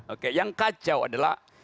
oke yang kacau adalah